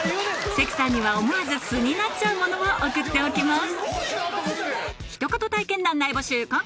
関さんには思わず素になっちゃうものを送っておきます